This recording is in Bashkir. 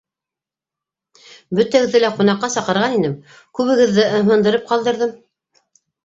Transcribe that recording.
Бөтәгеҙҙе лә ҡунаҡҡа саҡырған инем, күбегеҙҙе ымһындырып ҡалдырҙым.